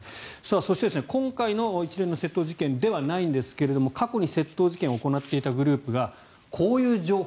そして、今回の一連の窃盗事件ではないんですが過去に窃盗事件を行っていたグループがこういう情報